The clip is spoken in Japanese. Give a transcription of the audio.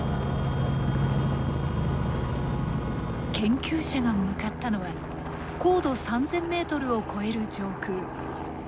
研究者が向かったのは高度３，０００ｍを超える上空。